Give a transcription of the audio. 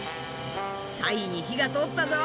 タイに火が通ったぞ。